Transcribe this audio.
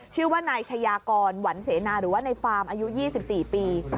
ชื่อว่านายชายากรหวันเสนาหรือว่าในฟาร์มอายุ๒๔ปี